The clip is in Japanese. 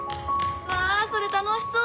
わぁそれ楽しそう！